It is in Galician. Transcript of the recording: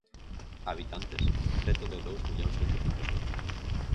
Habitantes: preto de dous millóns oitocentos mil.